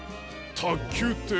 たっきゅうって。